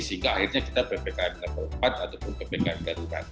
sehingga akhirnya kita ppkm level empat ataupun ppkm darurat